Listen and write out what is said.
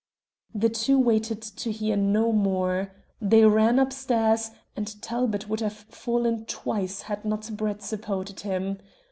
The two waited to hear no more. They ran upstairs, and Talbot would have fallen twice had not Brett supported him.